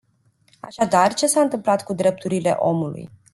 Așadar, ce s-a întâmplat cu drepturile omului?